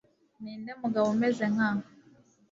ni nde mugabo umeze nka